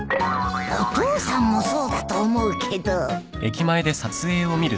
お父さんもそうだと思うけど